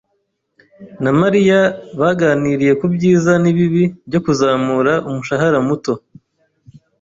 na Mariya baganiriye ku byiza n'ibibi byo kuzamura umushahara muto.